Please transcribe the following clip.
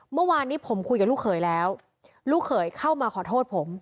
เมื่อวานนี้ผมคุยกับลูกเขยแล้วลูกเขยเข้ามาขอโทษผม